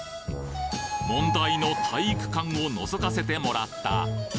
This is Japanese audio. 問題の体育館を覗かせてもらった！